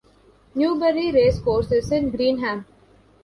Newbury Racecourse is in Greenham.